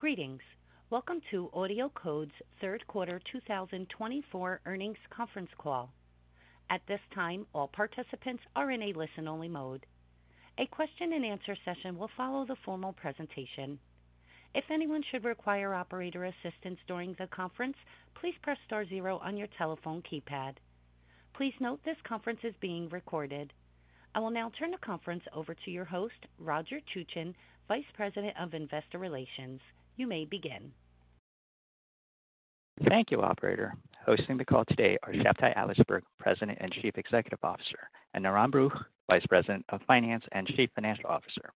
Greetings. Welcome to AudioCodes' Third Quarter 2024 Earnings Conference Call. At this time, all participants are in a listen-only mode. A Q&A session will follow the formal presentation. If anyone should require operator assistance during the conference, please press star zero on your telephone keypad. Please note this conference is being recorded. I will now turn the conference over to your host, Roger Chuchen, Vice President of Investor Relations. You may begin. Thank you, Operator. Hosting the call today are Shabtai Adlersberg, President and Chief Executive Officer, and Niran Baruch, Vice President of Finance and Chief Financial Officer.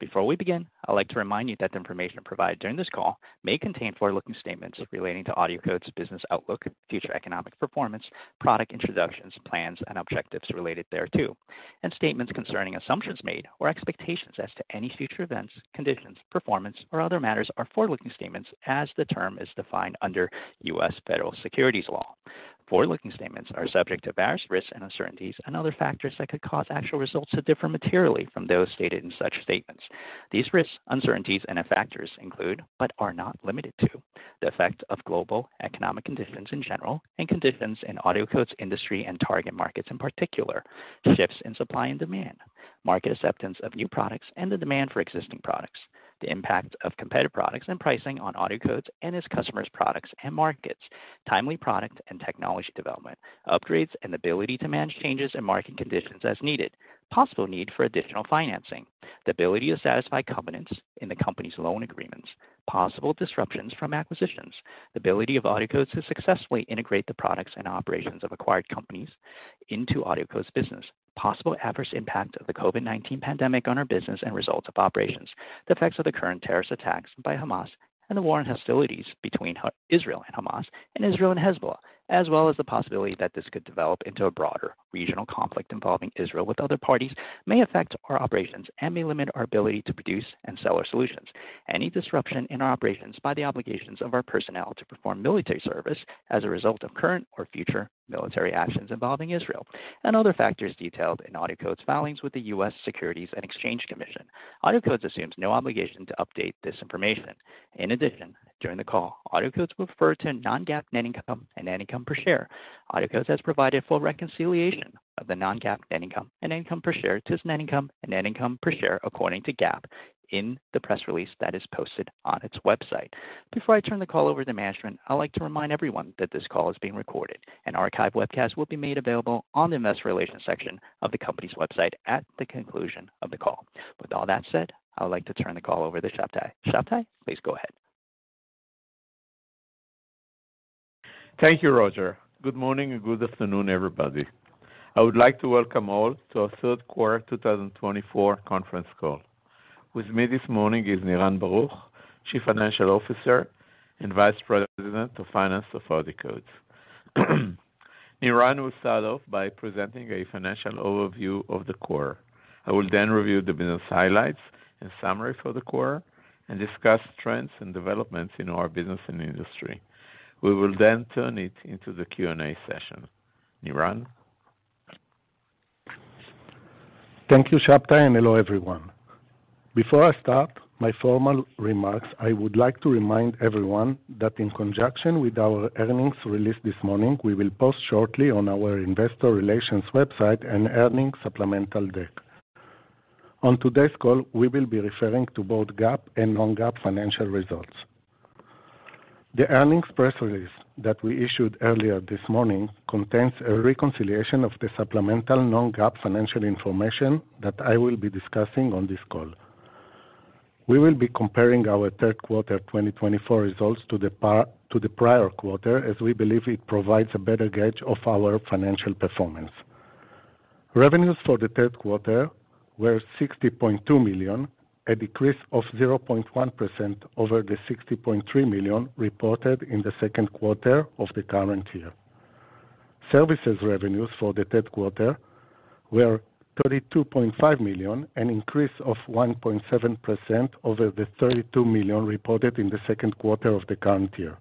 Before we begin, I'd like to remind you that the information provided during this call may contain forward-looking statements relating to AudioCodes' business outlook, future economic performance, product introductions, plans, and objectives related thereto, and statements concerning assumptions made or expectations as to any future events, conditions, performance, or other matters are forward-looking statements as the term is defined under U.S. federal securities law. Forward-looking statements are subject to various risks and uncertainties and other factors that could cause actual results to differ materially from those stated in such statements. These risks, uncertainties, and factors include, but are not limited to, the effect of global economic conditions in general and conditions in AudioCodes' industry and target markets in particular, shifts in supply and demand, market acceptance of new products and the demand for existing products, the impact of competitive products and pricing on AudioCodes and its customers' products and markets, timely product and technology development, upgrades and ability to manage changes in market conditions as needed, possible need for additional financing, the ability to satisfy covenants in the company's loan agreements, possible disruptions from acquisitions, the ability of AudioCodes to successfully integrate the products and operations of acquired companies into AudioCodes' business, possible adverse impact of the COVID-19 pandemic on our business and results of operations, the effects of the current terrorist attacks by Hamas and the war and hostilities between Israel and Hamas and Israel and Hezbollah, as well as the possibility that this could develop into a broader regional conflict involving Israel with other parties may affect our operations and may limit our ability to produce and sell our solutions, any disruption in our operations by the obligations of our personnel to perform military service as a result of current or future military actions involving Israel, and other factors detailed in AudioCodes' filings with the U.S. Securities and Exchange Commission. AudioCodes assumes no obligation to update this information. In addition, during the call, AudioCodes will refer to non-GAAP net income and net income per share. AudioCodes has provided full reconciliation of the non-GAAP net income and net income per share to its net income and net income per share according to GAAP in the press release that is posted on its website. Before I turn the call over to management, I'd like to remind everyone that this call is being recorded. An archived webcast will be made available on the investor relations section of the company's website at the conclusion of the call. With all that said, I would like to turn the call over to Shabtai. Shabtai, please go ahead. Thank you, Roger. Good morning and good afternoon, everybody. I would like to welcome all to our third quarter 2024 conference call. With me this morning is Niran Baruch, Chief Financial Officer and Vice President of Finance of AudioCodes. Niran will start off by presenting a financial overview of the quarter. I will then review the business highlights and summary for the quarter and discuss trends and developments in our business and industry. We will then turn it into the Q&A session. Niran? Thank you, Shabtai, and hello, everyone. Before I start my formal remarks, I would like to remind everyone that in conjunction with our earnings released this morning, we will post shortly on our investor relations website an earnings supplemental deck. On today's call, we will be referring to both GAAP and non-GAAP financial results. The earnings press release that we issued earlier this morning contains a reconciliation of the supplemental non-GAAP financial information that I will be discussing on this call. We will be comparing our third quarter 2024 results to the prior quarter as we believe it provides a better gauge of our financial performance. Revenues for the third quarter were $60.2 million, a decrease of 0.1% over the $60.3 million reported in the second quarter of the current year. Services revenues for the third quarter were $32.5 million, an increase of 1.7% over the $32 million reported in the second quarter of the current year.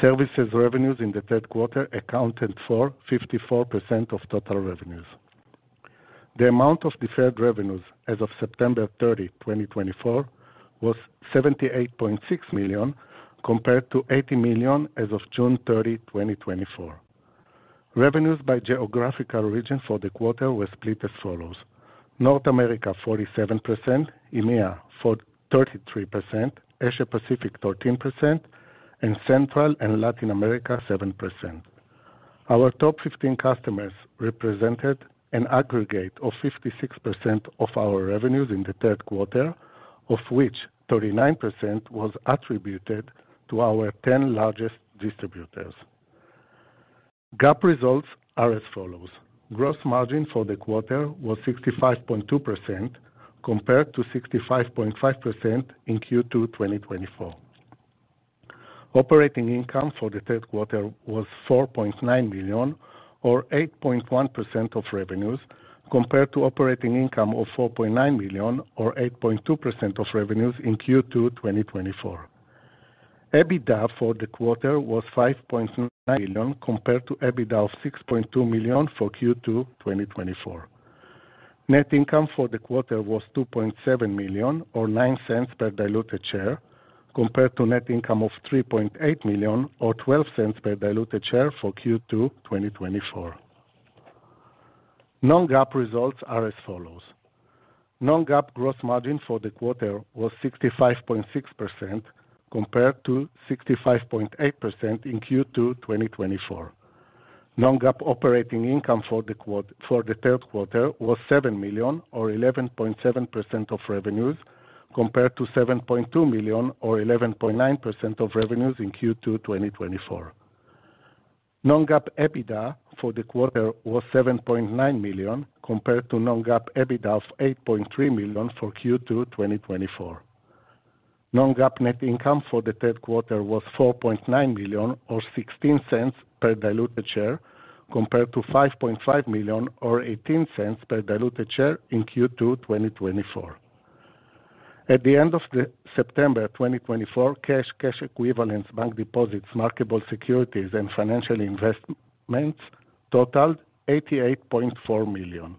Services revenues in the third quarter accounted for 54% of total revenues. The amount of deferred revenues as of September 30, 2024, was $78.6 million compared to $80 million as of June 30, 2024. Revenues by geographical region for the quarter were split as follows: North America 47%, EMEA 33%, Asia-Pacific 13%, and Central and Latin America 7%. Our top 15 customers represented an aggregate of 56% of our revenues in the third quarter, of which 39% was attributed to our 10 largest distributors. GAAP results are as follows: Gross margin for the quarter was 65.2% compared to 65.5% in Q2 2024. Operating income for the third quarter was $4.9 million, or 8.1% of revenues, compared to operating income of $4.9 million, or 8.2% of revenues in Q2 2024. EBITDA for the quarter was $5.9 million compared to EBITDA of $6.2 million for Q2 2024. Net income for the quarter was $2.7 million, or $0.09 per diluted share, compared to net income of $3.8 million, or $0.12 per diluted share for Q2 2024. Non-GAAP results are as follows: Non-GAAP gross margin for the quarter was 65.6% compared to 65.8% in Q2 2024. Non-GAAP operating income for the third quarter was $7 million, or 11.7% of revenues, compared to $7.2 million, or 11.9% of revenues in Q2 2024. Non-GAAP EBITDA for the quarter was $7.9 million, compared to Non-GAAP EBITDA of $8.3 million for Q2 2024. Non-GAAP net income for the third quarter was $4.9 million, or $0.16 per diluted share, compared to $5.5 million, or $0.18 per diluted share in Q2 2024. At the end of September 2024, cash, cash equivalents, bank deposits, marketable securities, and financial investments totaled $88.4 million.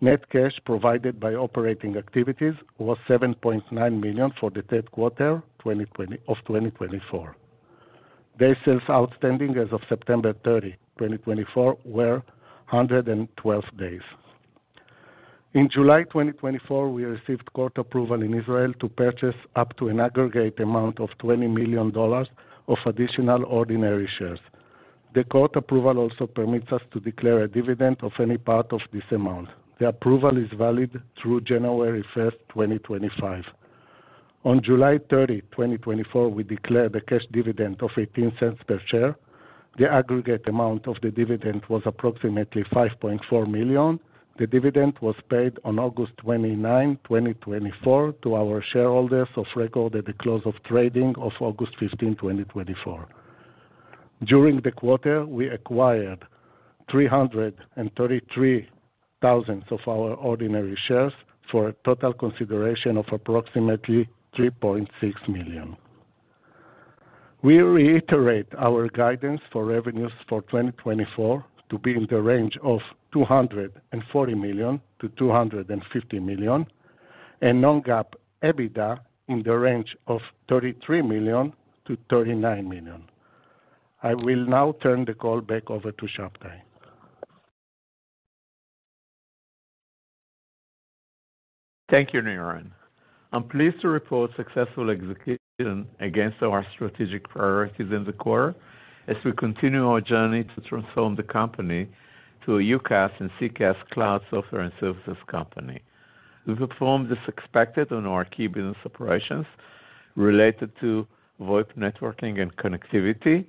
Net cash provided by operating activities was $7.9 million for the third quarter of 2024. Days sales outstanding as of September 30, 2024, were 112 days. In July 2024, we received court approval in Israel to purchase up to an aggregate amount of $20 million of additional ordinary shares. The court approval also permits us to declare a dividend of any part of this amount. The approval is valid through January 1, 2025. On July 30, 2024, we declared a cash dividend of $0.18 per share. The aggregate amount of the dividend was approximately $5.4 million. The dividend was paid on August 29, 2024, to our shareholders of record at the close of trading of August 15, 2024. During the quarter, we acquired 333,000 of our ordinary shares for a total consideration of approximately $3.6 million. We reiterate our guidance for revenues for 2024 to be in the range of $240 million-$250 million and non-GAAP EBITDA in the range of $33 million-$39 million. I will now turn the call back over to Shabtai. Thank you, Niran. I'm pleased to report successful execution against our strategic priorities in the quarter as we continue our journey to transform the company to a UCaaS and CCaaS cloud software and services company. We performed as expected on our key business operations related to VoIP networking and connectivity,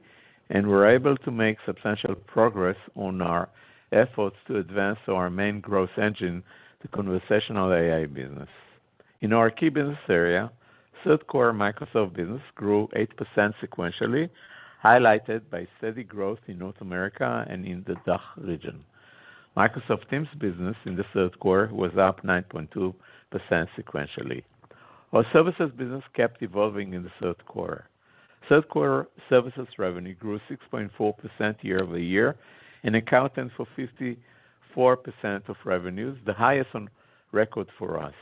and we're able to make substantial progress on our efforts to advance our main growth engine, the conversational AI business. In our key business area, third quarter Microsoft business grew 8% sequentially, highlighted by steady growth in North America and in the DACH region. Microsoft Teams business in the third quarter was up 9.2% sequentially. Our services business kept evolving in the third quarter. Third quarter services revenue grew 6.4% year-over-year and accounted for 54% of revenues, the highest on record for us.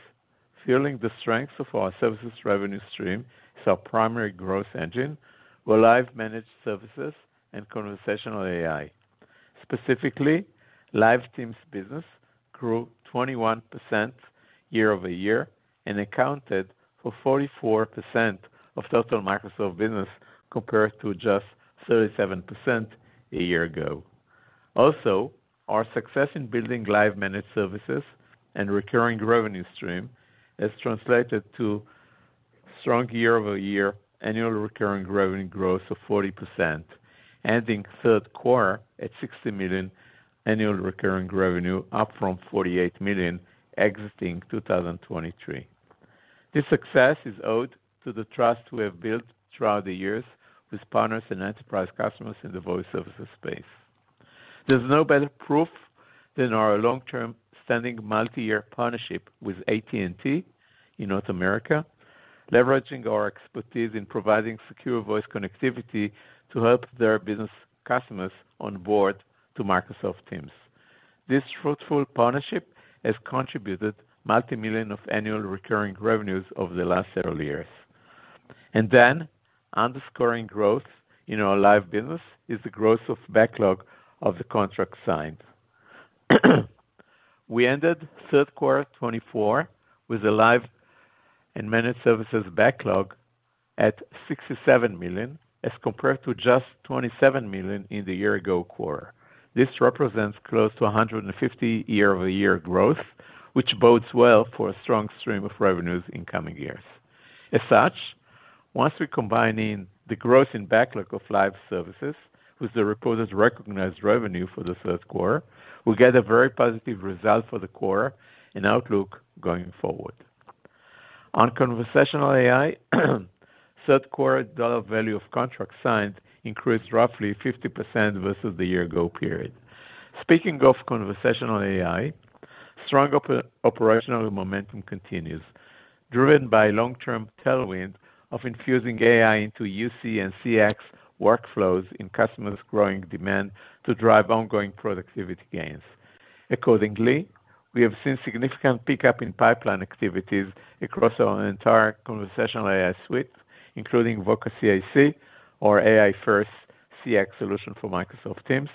Fueling the strength of our services revenue stream is our primary growth engine, where Live managed services and conversational AI. Specifically, Live Teams business grew 21% year-over-year and accounted for 44% of total Microsoft business compared to just 37% a year ago. Also, our success in building Live managed services and recurring revenue stream has translated to strong year-over-year annual recurring revenue growth of 40%, ending third quarter at $60 million annual recurring revenue, up from $48 million exiting 2023. This success is owed to the trust we have built throughout the years with partners and enterprise customers in the voice services space. There's no better proof than our long-term standing multi-year partnership with AT&T in North America, leveraging our expertise in providing secure voice connectivity to help their business customers onboard to Microsoft Teams. This fruitful partnership has contributed multimillion of annual recurring revenues over the last several years. Then, underscoring growth in our Live business is the growth of backlog of the contracts signed. We ended third quarter 2024 with a Live and managed services backlog at $67 million as compared to just $27 million in the year-ago quarter. This represents close to 150% year-over-year growth, which bodes well for a strong stream of revenues in coming years. As such, once we combine in the growth in backlog of Live services with the reported recognized revenue for the third quarter, we get a very positive result for the quarter and outlook going forward. On conversational AI, third quarter dollar value of contracts signed increased roughly 50% versus the year-ago period. Speaking of conversational AI, strong operational momentum continues, driven by long-term tailwind of infusing AI into UC and CX workflows in customers' growing demand to drive ongoing productivity gains. Accordingly, we have seen significant pickup in pipeline activities across our entire conversational AI suite, including Voca CIC, our AI-first CX solution for Microsoft Teams,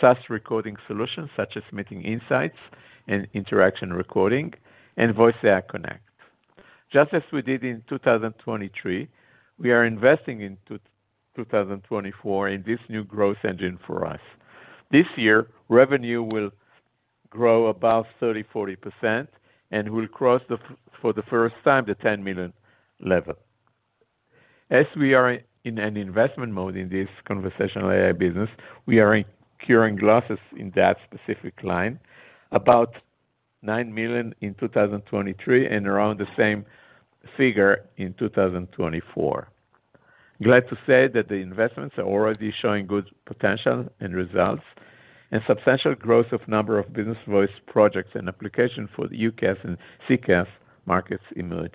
SaaS recording solutions such as Meeting Insights and Interaction Recording, and VoiceAI Connect. Just as we did in 2023, we are investing in 2024 in this new growth engine for us. This year, revenue will grow about 30-40%, and we'll cross for the first time the $10 million level. As we are in an investment mode in this conversational AI business, we are incurring losses in that specific line, about $9 million in 2023 and around the same figure in 2024. Glad to say that the investments are already showing good potential and results, and substantial growth of number of business voice projects and applications for the UCaaS and CCaaS markets emerge.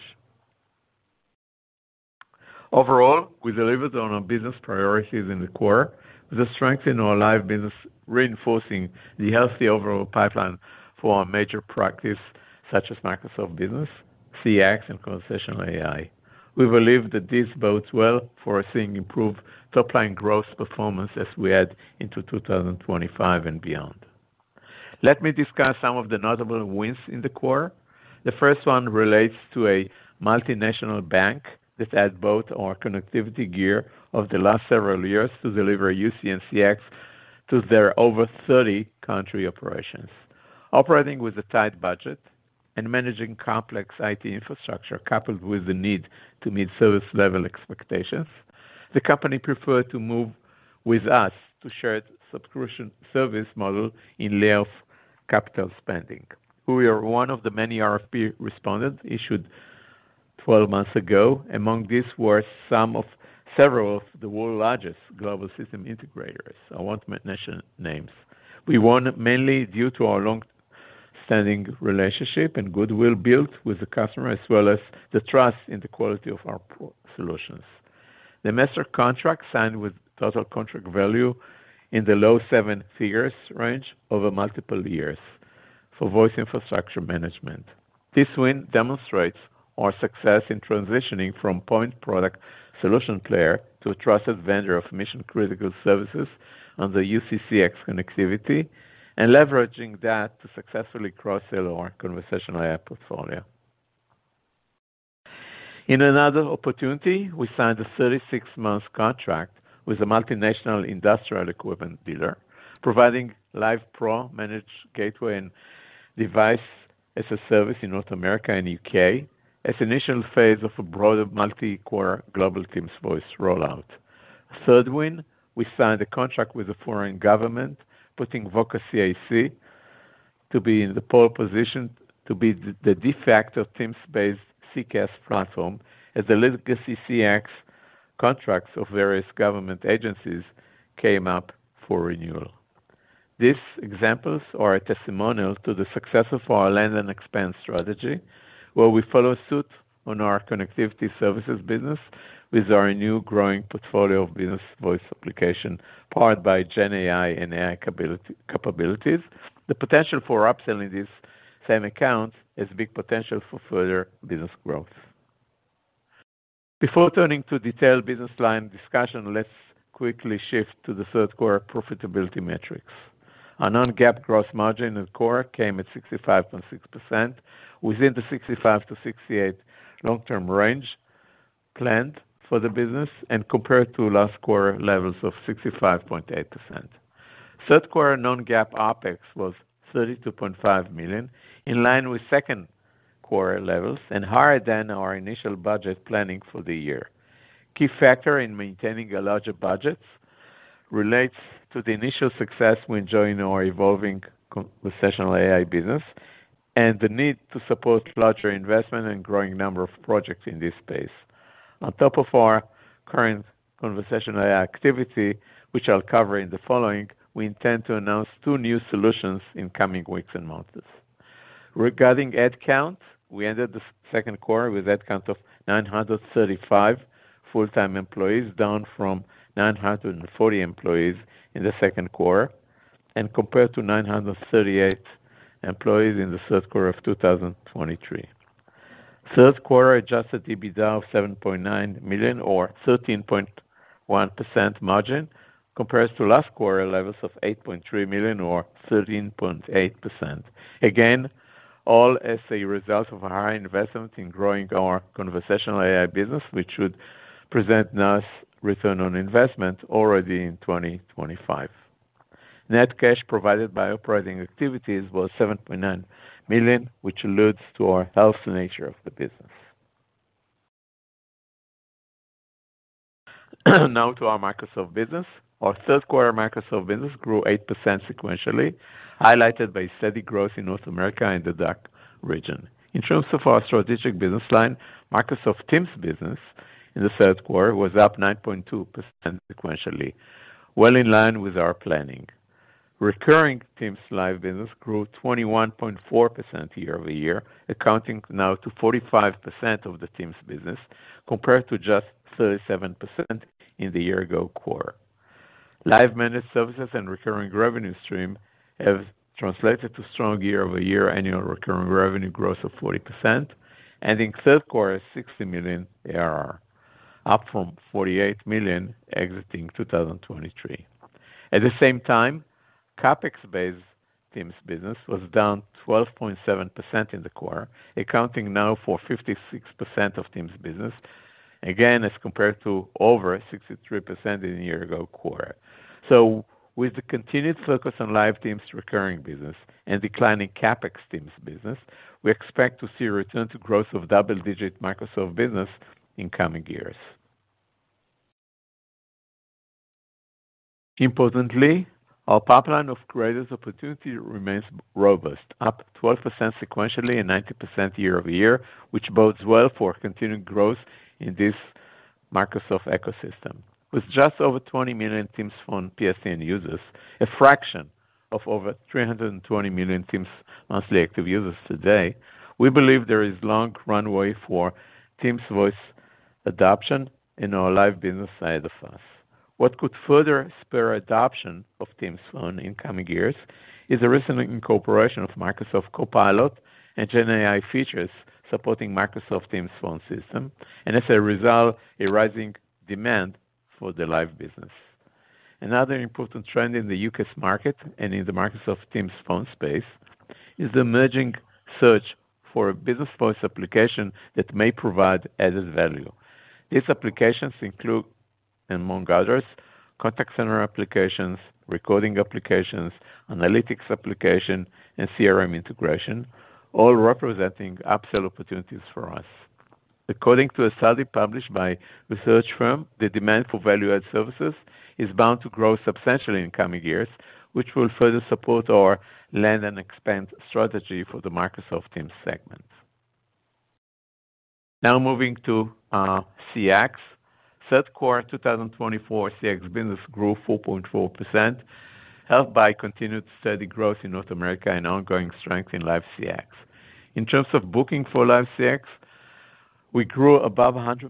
Overall, we delivered on our business priorities in the quarter with a strength in our Live business, reinforcing the healthy overall pipeline for our major practices such as Microsoft Business, CX, and conversational AI. We believe that this bodes well for seeing improved top-line growth performance as we head into 2025 and beyond. Let me discuss some of the notable wins in the quarter. The first one relates to a multinational bank that had bought our connectivity gear over the last several years to deliver UC and CX to their over-30-country operations. Operating with a tight budget and managing complex IT infrastructure coupled with the need to meet service-level expectations, the company preferred to move with us to shared subscription service model in lieu of capital spending. We are one of the many RFP respondents issued 12 months ago. Among these were some of several of the world's largest global system integrators. I won't mention names. We won mainly due to our long-standing relationship and goodwill built with the customer, as well as the trust in the quality of our solutions. The master contract signed with total contract value in the low seven figures range over multiple years for voice infrastructure management. This win demonstrates our success in transitioning from point product solution player to a trusted vendor of mission-critical services under UC-CX connectivity and leveraging that to successfully cross-sell our conversational AI portfolio. In another opportunity, we signed a 36-month contract with a multinational industrial equipment dealer, providing Live Pro managed gateway and Device as a Service in North America and U.K. as an initial phase of a broader multi-quarter global Teams voice rollout. Third win, we signed a contract with a foreign government, putting Voca CIC to be in the pole position to be the de facto Teams-based CCaaS platform as the legacy CX contracts of various government agencies came up for renewal. These examples are a testimonial to the success of our land and expand strategy, where we follow suit on our connectivity services business with our new growing portfolio of business voice applications powered by GenAI and AI capabilities. The potential for upselling these same accounts has big potential for further business growth. Before turning to detailed business line discussion, let's quickly shift to the third quarter profitability metrics. Our non-GAAP gross margin in the quarter came at 65.6% within the 65%-68% long-term range planned for the business and compared to last quarter levels of 65.8%. Third quarter non-GAAP OPEX was $32.5 million, in line with second quarter levels and higher than our initial budget planning for the year. Key factor in maintaining a larger budget relates to the initial success we enjoy in our evolving conversational AI business and the need to support larger investment and growing number of projects in this space. On top of our current conversational AI activity, which I'll cover in the following, we intend to announce two new solutions in coming weeks and months. Regarding headcount, we ended the second quarter with headcount of 935 full-time employees, down from 940 employees in the second quarter and compared to 938 employees in the third quarter of 2023. Third quarter adjusted EBITDA of $7.9 million or 13.1% margin compares to last quarter levels of $8.3 million or 13.8%. Again, all as a result of our high investment in growing our conversational AI business, which should present nice return on investment already in 2025. Net cash provided by operating activities was $7.9 million, which alludes to our healthy nature of the business. Now to our Microsoft business. Our third quarter Microsoft business grew 8% sequentially, highlighted by steady growth in North America and the DACH region. In terms of our strategic business line, Microsoft Teams business in the third quarter was up 9.2% sequentially, well in line with our planning. Recurring Teams Live business grew 21.4% year-over-year, accounting now to 45% of the Teams business compared to just 37% in the year-ago quarter. Live managed services and recurring revenue stream have translated to strong year-over-year annual recurring revenue growth of 40%, ending third quarter at $60 million ARR, up from $48 million exiting 2023. At the same time, CAPEX-based Teams business was down 12.7% in the quarter, accounting now for 56% of Teams business, again as compared to over 63% in the year-ago quarter. So, with the continued focus on Live Teams recurring business and declining CAPEX Teams business, we expect to see a return to growth of double-digit Microsoft business in coming years. Importantly, our pipeline of creative opportunity remains robust, up 12% sequentially and 90% year-over-year, which bodes well for continued growth in this Microsoft ecosystem. With just over 20 million Teams Phone PSTN users, a fraction of over 320 million Teams monthly active users today, we believe there is a long runway for Teams Voice adoption in our Live business side of us. What could further spur adoption of Teams Phone in coming years is a recent incorporation of Microsoft Copilot and GenAI features supporting Microsoft Teams Phone system, and as a result, a rising demand for the Live business. Another important trend in the UCaaS market and in the Microsoft Teams Phone space is the emerging search for a business voice application that may provide added value. These applications include, among others, contact center applications, recording applications, analytics applications, and CRM integration, all representing upsell opportunities for us. According to a study published by a research firm, the demand for value-added services is bound to grow substantially in coming years, which will further support our land and expand strategy for the Microsoft Teams segment. Now moving to CX. Third quarter 2024 CX business grew 4.4%, helped by continued steady growth in North America and ongoing strength in Live CX. In terms of booking for Live CX, we grew above 100%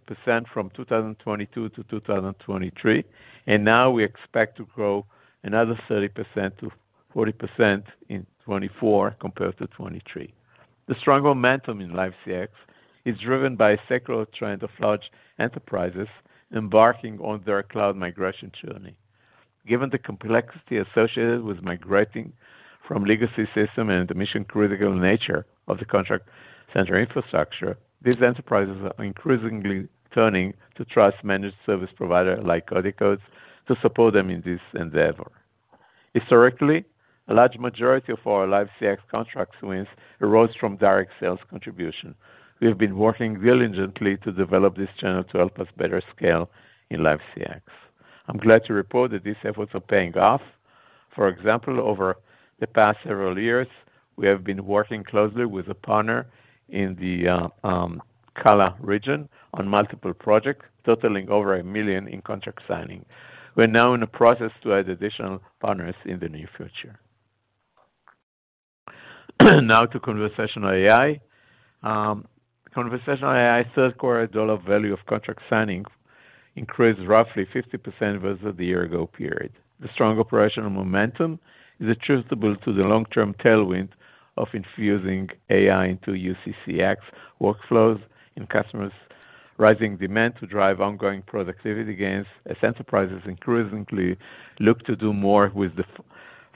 from 2022 to 2023, and now we expect to grow another 30%-40% in 2024 compared to 2023. The strong momentum in Live CX is driven by a secular trend of large enterprises embarking on their cloud migration journey. Given the complexity associated with migrating from legacy systems and the mission-critical nature of the contact center infrastructure, these enterprises are increasingly turning to trusted-managed service providers like AudioCodes to support them in this endeavor. Historically, a large majority of our Live CX contract swings arose from direct sales contribution. We have been working diligently to develop this channel to help us better scale in Live CX. I'm glad to report that these efforts are paying off. For example, over the past several years, we have been working closely with a partner in the CALA region on multiple projects, totaling over $1 million in contract signing. We're now in the process of additional partners in the near future. Now to conversational AI. Conversational AI third quarter dollar value of contract signing increased roughly 50% versus the year-ago period. The strong operational momentum is attributable to the long-term tailwind of infusing AI into UC-CX workflows in customers' rising demand to drive ongoing productivity gains, as enterprises increasingly look to do more with the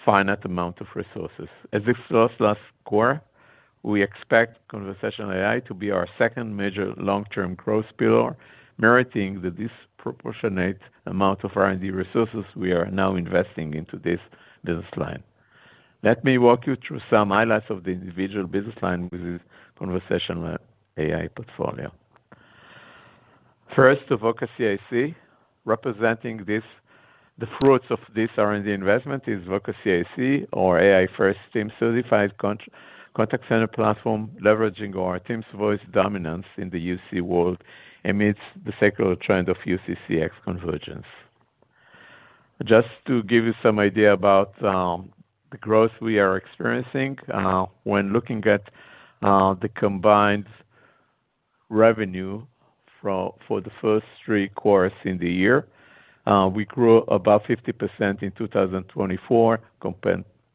finite amount of resources. As I said last quarter, we expect conversational AI to be our second major long-term growth pillar, meriting the disproportionate amount of R&D resources we are now investing into this business line. Let me walk you through some highlights of the individual business line with the conversational AI portfolio. First, Voca CIC. Representing the fruits of this R&D investment is Voca CIC, our AI-first Teams-certified contact center platform, leveraging our Teams Voice dominance in the UC world amidst the secular trend of UC-CX convergence. Just to give you some idea about the growth we are experiencing, when looking at the combined revenue for the first three quarters in the year, we grew about 50% in 2024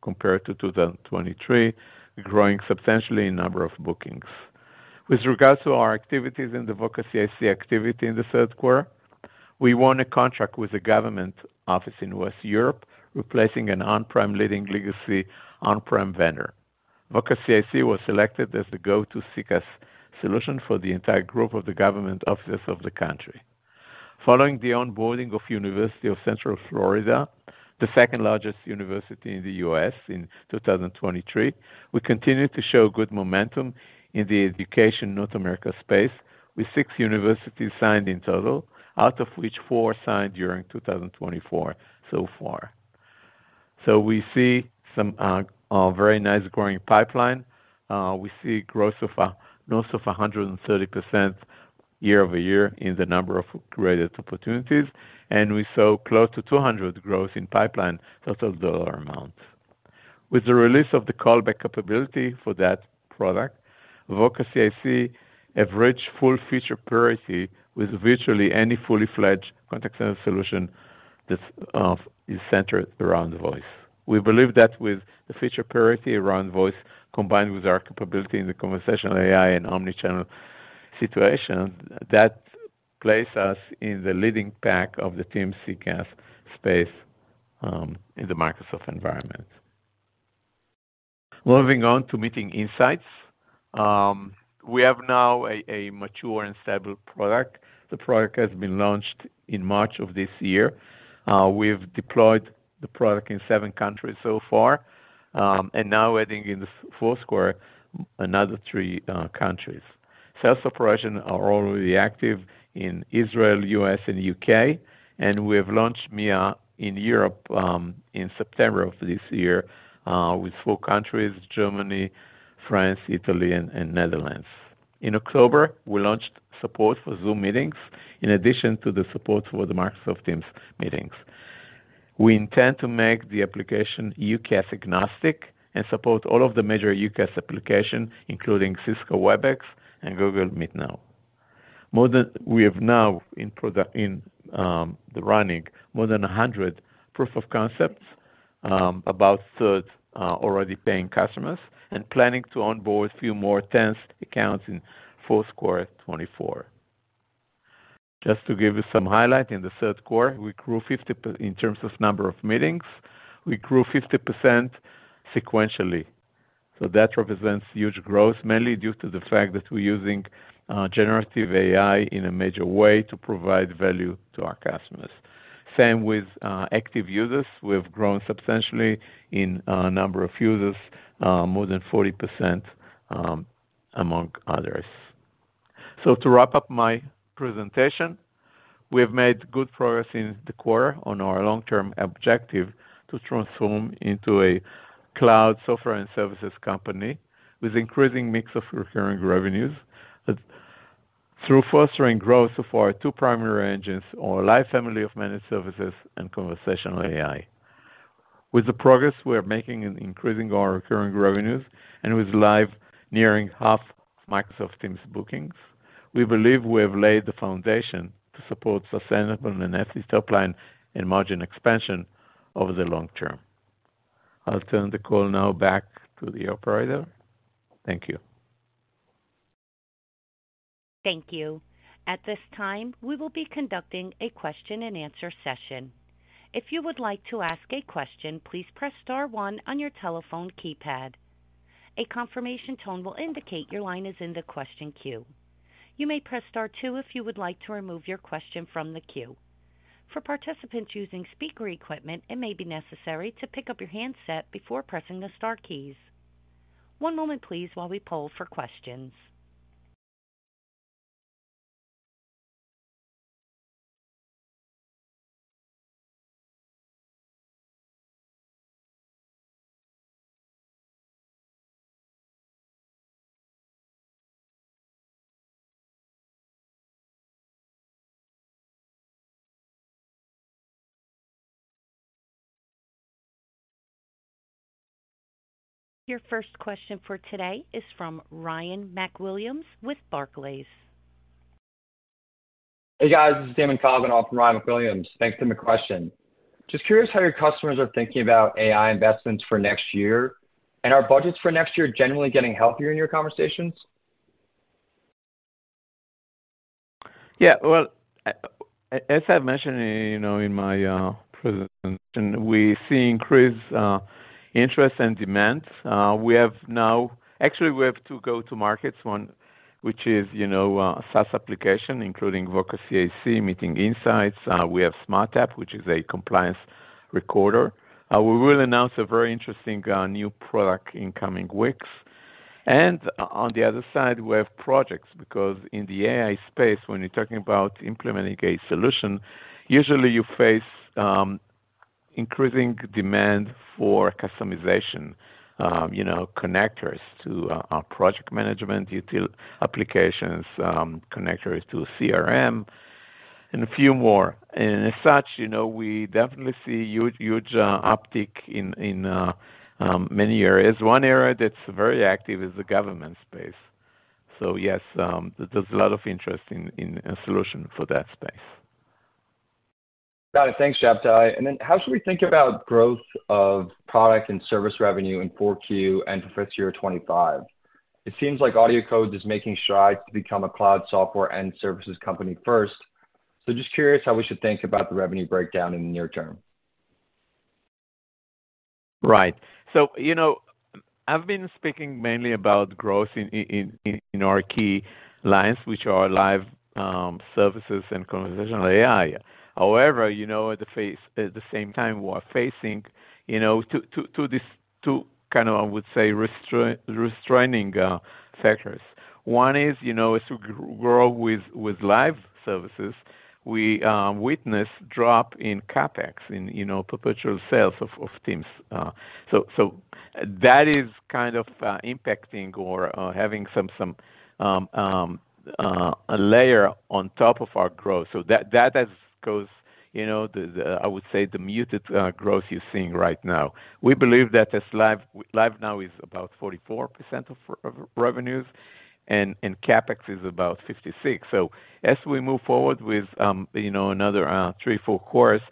compared to 2023, growing substantially in number of bookings. With regards to our activities and the Voca CIC activity in the third quarter, we won a contract with a government office in West Europe, replacing an on-prem leading legacy on-prem vendor. Voca CIC was selected as the go-to CCaaS solution for the entire group of the government offices of the country. Following the onboarding of the University of Central Florida, the second-largest university in the U.S., in 2023, we continue to show good momentum in the education North America space, with six universities signed in total, out of which four signed during 2024 so far. So we see some very nice growing pipeline. We see growth of almost 130% year-over-year in the number of created opportunities, and we saw close to 200% growth in pipeline total dollar amount. With the release of the callback capability for that product, Voca CIC averaged full feature parity with virtually any fully-fledged contact center solution that is centered around voice. We believe that with the feature parity around voice, combined with our capability in the conversational AI and omnichannel situation, that places us in the leading pack of the Teams CCaaS space in the Microsoft environment. Moving on to Meeting Insights. We have now a mature and stable product. The product has been launched in March of this year. We have deployed the product in seven countries so far, and now adding in the fourth quarter, another three countries. Sales operations are already active in Israel, US, and UK, and we have launched Meeting Insights in Europe in September of this year with four countries: Germany, France, Italy, and Netherlands. In October, we launched support for Zoom meetings in addition to the support for the Microsoft Teams meetings. We intend to make the application UCaaS agnostic and support all of the major UCaaS applications, including Cisco Webex and Google Meet. We have now in the running more than 100 proof of concepts, about a third already paying customers, and planning to onboard a few more than 10 accounts in fourth quarter 2024. Just to give you some highlight in the third quarter, we grew 50% in terms of number of meetings. We grew 50% sequentially. So that represents huge growth, mainly due to the fact that we're using generative AI in a major way to provide value to our customers. Same with active users. We have grown substantially in number of users, more than 40% among others. So to wrap up my presentation, we have made good progress in the quarter on our long-term objective to transform into a cloud software and services company with an increasing mix of recurring revenues through fostering growth of our two primary engines, our Live family of managed services and Conversational AI. With the progress we are making in increasing our recurring revenues and with Live nearing half of Microsoft Teams bookings, we believe we have laid the foundation to support sustainable and healthy top line and margin expansion over the long term. I'll turn the call now back to the operator. Thank you. Thank you. At this time, we will be conducting a Q&A session. If you would like to ask a question, please press star one on your telephone keypad. A confirmation tone will indicate your line is in the question queue. You may press star two if you would like to remove your question from the queue. For participants using speaker equipment, it may be necessary to pick up your handset before pressing the star keys. One moment, please, while we poll for questions. Your first question for today is from Ryan MacWilliams with Barclays. Hey, guys. This is Eamon Coughlin on behalf of Ryan MacWilliams. Thanks for the question. Just curious how your customers are thinking about AI investments for next year. And are budgets for next year generally getting healthier in your conversations? Yeah. Well, as I've mentioned in my presentation, we see increased interest and demand. We have now, actually, we have two go-to markets, one which is SaaS application, including Voca CIC Meeting Insights. We have SmartTAP, which is a compliance recorder. We will announce a very interesting new product in coming weeks. On the other side, we have projects because in the AI space, when you're talking about implementing a solution, usually you face increasing demand for customization connectors to project management, utility applications, connectors to CRM, and a few more. And as such, we definitely see huge uptick in many areas. One area that's very active is the government space. So yes, there's a lot of interest in a solution for that space. Got it. Thanks, Shabtai. And then how should we think about growth of product and service revenue in 4Q and full year 2025? It seems like AudioCodes is making strides to become a cloud software and services company first. So just curious how we should think about the revenue breakdown in the near term. Right. So I've been speaking mainly about growth in our key lines, which are Live services and conversational AI. However, at the same time, we are facing two kind of, I would say, restraining factors. One is to grow with Live services. We witnessed a drop in CapEx in perpetual sales of Teams. So that is kind of impacting or having some layer on top of our growth. So that has caused, I would say, the muted growth you're seeing right now. We believe that Live now is about 44% of revenues, and CapEx is about 56%. So as we move forward with another three, four quarters,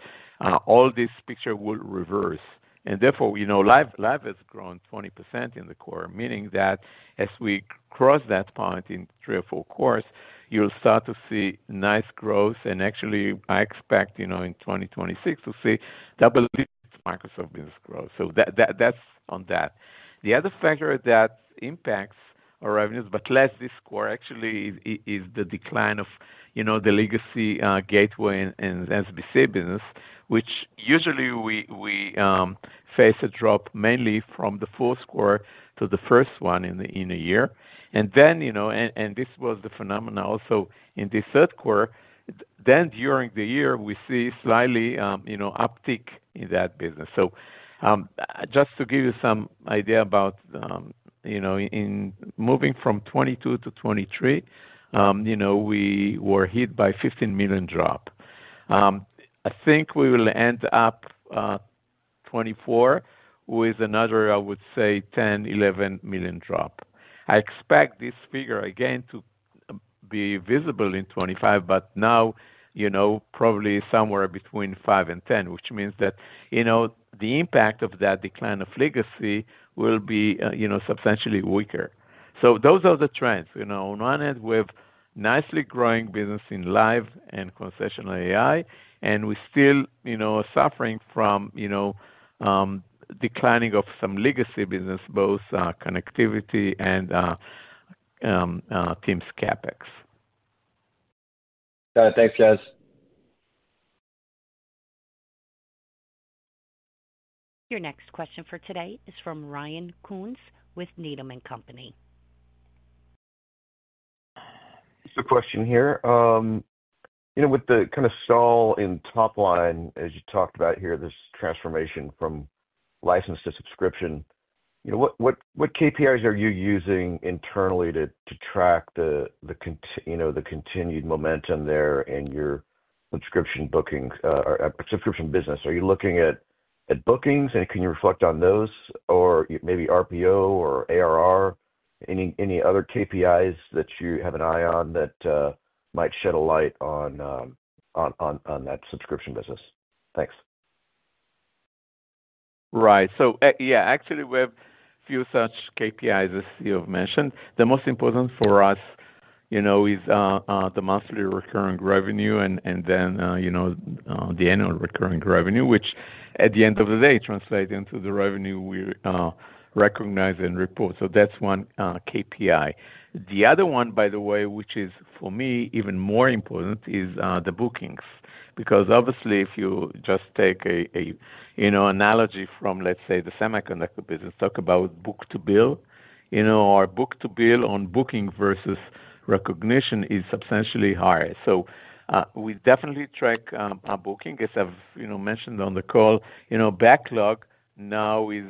all this picture will reverse. And therefore, Live has grown 20% in the quarter, meaning that as we cross that point in three or four quarters, you'll start to see nice growth. And actually, I expect in 2026 to see double digits Microsoft business growth. So that's on that. The other factor that impacts our revenues, but less this quarter, actually, is the decline of the legacy gateway and SBC business, which usually we face a drop mainly from the fourth quarter to the first one in a year. This was the phenomenon also in the third quarter. During the year, we see slightly uptick in that business. Just to give you some idea about moving from 2022 to 2023, we were hit by a $15 million drop. I think we will end up 2024 with another, I would say, $10-$11 million drop. I expect this figure again to be visible in 2025, but now probably somewhere between $5 million and $10 million, which means that the impact of that decline of legacy will be substantially weaker. Those are the trends. On one end, we have a nicely growing business in Live managed services and conversational AI, and we're still suffering from decline in some legacy business, both connectivity and Teams CAPEX. Got it. Thanks, guys. Your next question for today is from Ryan Koontz with Needham & Company. It's a question here. With the kind of stall in top line, as you talked about here, this transformation from license to subscription, what KPIs are you using internally to track the continued momentum there in your subscription booking or subscription business? Are you looking at bookings, and can you reflect on those, or maybe RPO or ARR, any other KPIs that you have an eye on that might shed a light on that subscription business? Thanks. Right. So yeah, actually, we have a few such KPIs as you have mentioned. The most important for us is the monthly recurring revenue and then the annual recurring revenue, which at the end of the day translates into the revenue we recognize and report. So that's one KPI. The other one, by the way, which is, for me, even more important, is the bookings. Because obviously, if you just take an analogy from, let's say, the semiconductor business, talk about book to bill, our book to bill on booking versus recognition is substantially higher. So we definitely track our booking. As I've mentioned on the call, backlog now is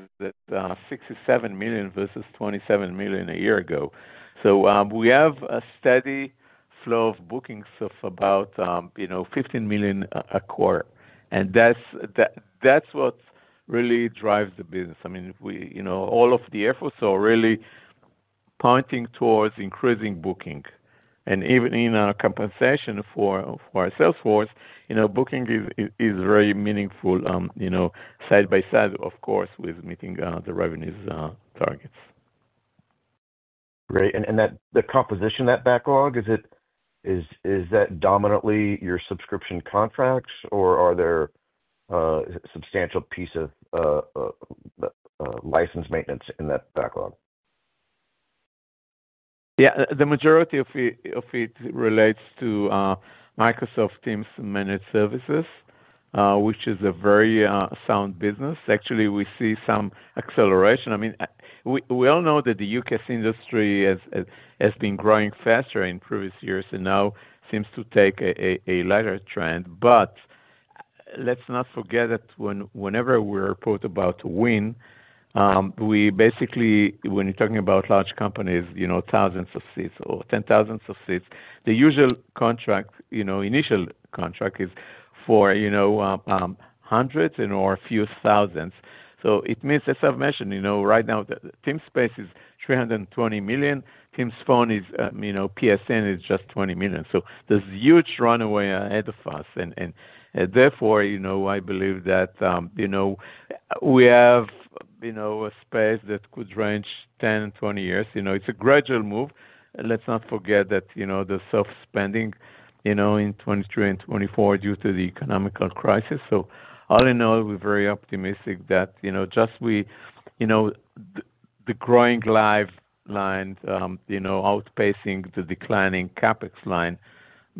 $67 million versus $27 million a year ago. So we have a steady flow of bookings of about $15 million a quarter. And that's what really drives the business. I mean, all of the efforts are really pointing towards increasing booking. Even in our compensation for our sales force, booking is very meaningful side by side, of course, with meeting the revenue targets. Great. The composition of that backlog, is that dominantly your subscription contracts, or are there a substantial piece of license maintenance in that backlog? Yeah. The majority of it relates to Microsoft Teams managed services, which is a very sound business. Actually, we see some acceleration. I mean, we all know that the UCaaS industry has been growing faster in previous years and now seems to take a lighter trend. Let's not forget that whenever we report about a win, we basically, when you're talking about large companies, thousands of seats or 10,000s of seats, the usual contract, initial contract, is for hundreds or a few thousands. So it means, as I've mentioned, right now, the Teams space is 320 million. Teams Phone PSTN is just $20 million. So there's a huge runway ahead of us. And therefore, I believe that we have a space that could range 10, 20 years. It's a gradual move. Let's not forget that there's slower spending in 2023 and 2024 due to the economic crisis. So all in all, we're very optimistic that just the growing Live line, outpacing the declining CapEx line,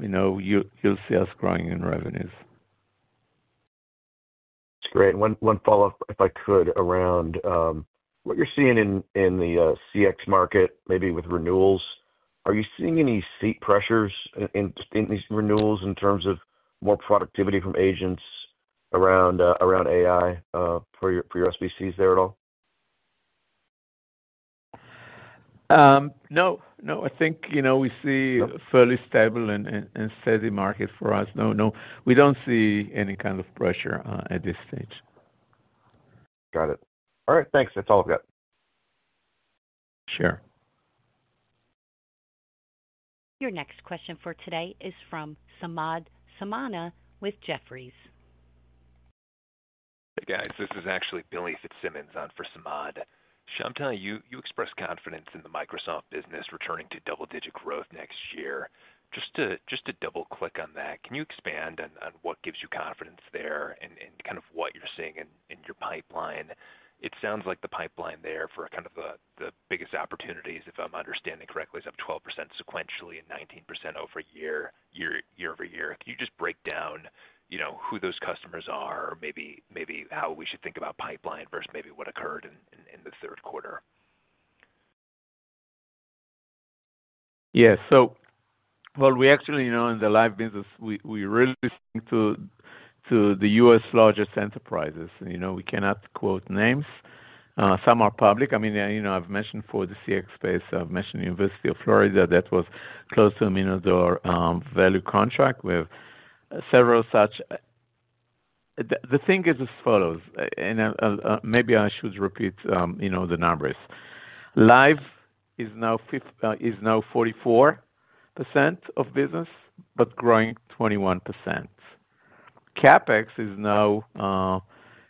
you'll see us growing in revenues. That's great. One follow-up, if I could, around what you're seeing in the CX market, maybe with renewals. Are you seeing any seat pressures in these renewals in terms of more productivity from agents around AI for your SBCs there at all? No. No. I think we see a fairly stable and steady market for us. No. No. We don't see any kind of pressure at this stage. Got it. All right. Thanks. That's all I've got. Sure. Your next question for today is from Samad Samana with Jefferies. Hey, guys. This is actually Billy Fitzsimmons on for Samad. Shabtai, you expressed confidence in the Microsoft business returning to double-digit growth next year. Just to double-click on that, can you expand on what gives you confidence there and kind of what you're seeing in your pipeline? It sounds like the pipeline there for kind of the biggest opportunities, if I'm understanding correctly, is up 12% sequentially and 19% over a year-over-year. Can you just break down who those customers are or maybe how we should think about pipeline versus maybe what occurred in the third quarter? Yeah. So while we actually know in the Live business, we really speak to the U.S. largest enterprises. We cannot quote names. Some are public. I mean, I've mentioned for the CX space University of Central Florida that was close to a $1 million value contract. We have several such. The thing is as follows. And maybe I should repeat the numbers. Live is now 44% of business, but growing 21%. CapEx is now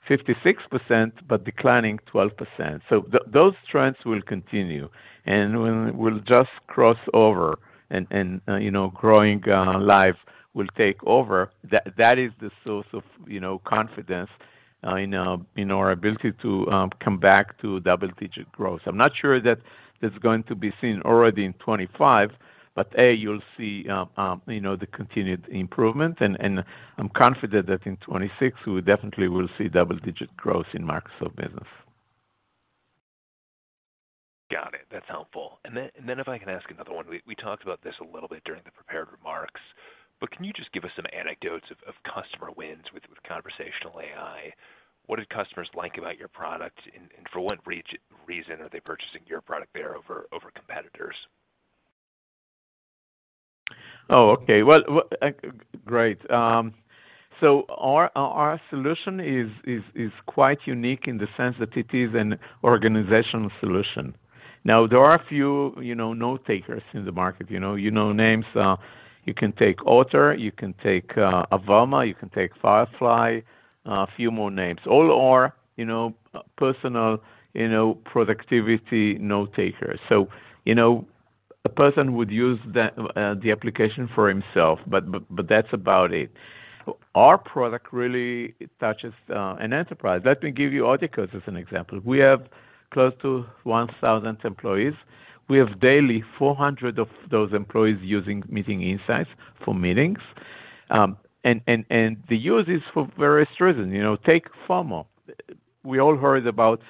56%, but declining 12%. So those trends will continue. And when we'll just cross over and growing Live will take over, that is the source of confidence in our ability to come back to double-digit growth. I'm not sure that it's going to be seen already in 2025, but A, you'll see the continued improvement. And I'm confident that in 2026, we definitely will see double-digit growth in Microsoft business. Got it. That's helpful. And then if I can ask another one. We talked about this a little bit during the prepared remarks. But can you just give us some anecdotes of customer wins with conversational AI? What did customers like about your product? And for what reason are they purchasing your product there over competitors? Oh, okay. Well, great. So our solution is quite unique in the sense that it is an organizational solution. Now, there are a few note-takers in the market. You know names. You can take Otter. You can take Avoma. You can take Fireflies. A few more names. All are personal productivity note-takers. So a person would use the application for himself, but that's about it. Our product really touches an enterprise. Let me give you AudioCodes as an example. We have close to 1,000 employees. We have daily 400 of those employees using Meeting Insights for meetings. And the use is for various reasons. Take FOMO. We all heard about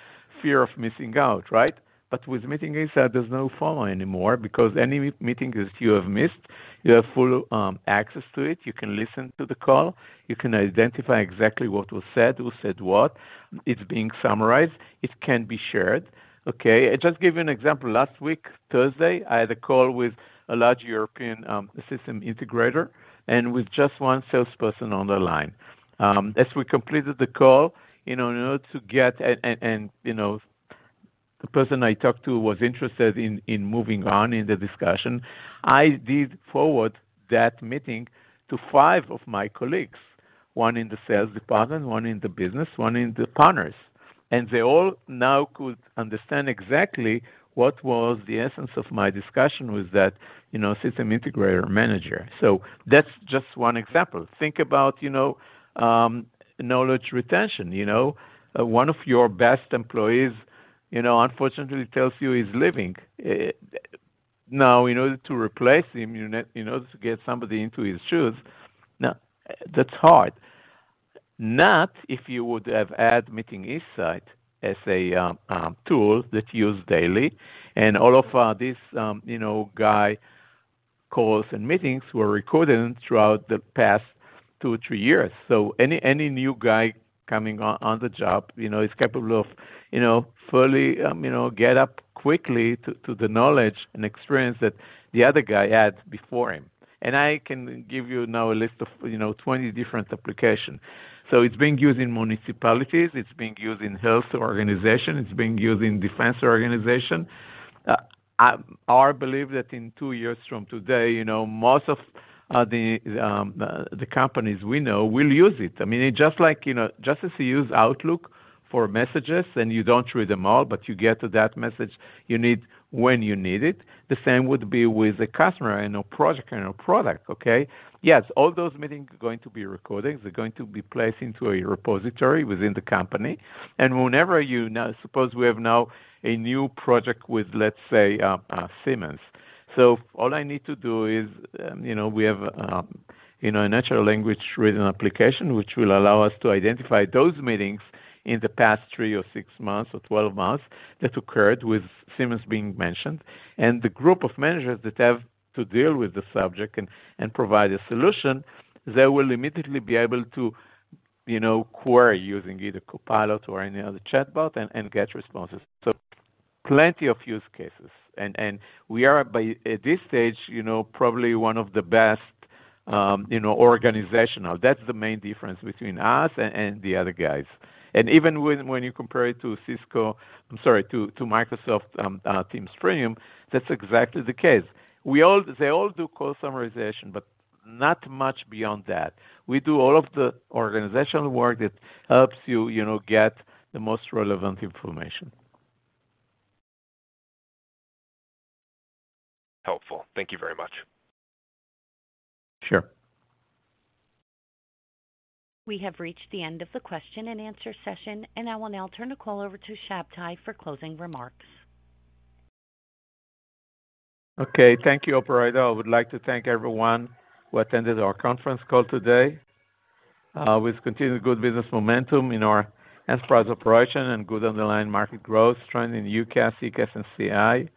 fear of missing out, right? But with Meeting Insights, there's no FOMO anymore because any meeting that you have missed, you have full access to it. You can listen to the call. You can identify exactly what was said, who said what. It's being summarized. It can be shared. Okay. Just give you an example. Last week, Thursday, I had a call with a large European system integrator and with just one salesperson on the line. As we completed the call, in order to get and the person I talked to was interested in moving on in the discussion, I did forward that meeting to five of my colleagues, one in the sales department, one in the business, one in the partners. And they all now could understand exactly what was the essence of my discussion with that system integrator manager. So that's just one example. Think about knowledge retention. One of your best employees, unfortunately, tells you he's leaving. Now, in order to replace him, in order to get somebody into his shoes, now, that's hard. Not if you would have had Meeting Insights as a tool that you use daily. And all of these guys' calls and meetings were recorded throughout the past two or three years. So any new guy coming on the job is capable of fairly getting up quickly to the knowledge and experience that the other guy had before him. And I can give you now a list of 20 different applications. So it's being used in municipalities. It's being used in health organizations. It's being used in defense organizations. I believe that in two years from today, most of the companies we know will use it. I mean, just as you use Outlook for messages and you don't read them all, but you get to that message when you need it, the same would be with a customer and a project and a product, okay? Yes, all those meetings are going to be recorded. They're going to be placed into a repository within the company. And whenever you now suppose we have now a new project with, let's say, Siemens. So all I need to do is we have a natural language reading application, which will allow us to identify those meetings in the past three or six months or 12 months that occurred with Siemens being mentioned. And the group of managers that have to deal with the subject and provide a solution, they will immediately be able to query using either Copilot or any other chatbot and get responses. So plenty of use cases. We are, at this stage, probably one of the best organizations. That's the main difference between us and the other guys. Even when you compare it to Cisco, I'm sorry, to Microsoft Teams Premium, that's exactly the case. They all do call summarization, but not much beyond that. We do all of the organizational work that helps you get the most relevant information. Helpful. Thank you very much. Sure. We have reached the end of the question and answer session, and I will now turn the call over to Shabtai for closing remarks. Okay. Thank you, Operator. I would like to thank everyone who attended our conference call today. With continued good business momentum in our enterprise operation and good underlying market growth trend in UCaaS, CCaaS, and CX,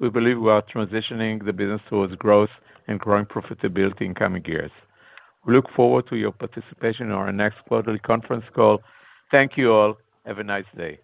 we believe we are transitioning the business towards growth and growing profitability in coming years. We look forward to your participation in our next quarterly conference call. Thank you all. Have a nice day.